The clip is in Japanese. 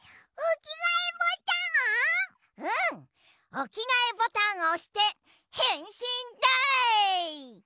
おきがえボタンをおしてへんしんだい！